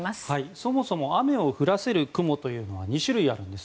そもそも雨を降らせる雲は２種類あるんです。